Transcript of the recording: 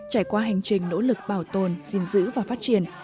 trải qua hành trình nỗ lực bảo tồn gìn giữ và phát triển